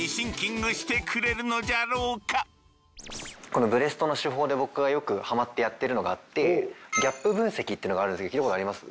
このブレストの手法で僕がよくはまってやってるのがあってギャップ分析っていうのがあるんですけど聞いたことあります？